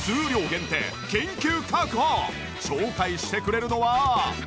紹介してくれるのは。